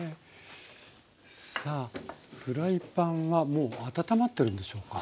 さあフライパンはもう温まってるんでしょうか。